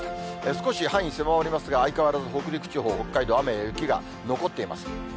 少し範囲、狭まりますが、相変わらず北陸地方、北海道、雨や雪が残っています。